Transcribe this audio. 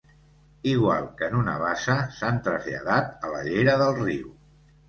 Igual que en una bassa s'han traslladat a la llera del riu.